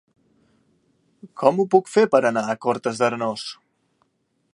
Com ho puc fer per anar a Cortes d'Arenós?